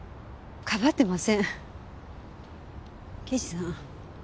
刑事さん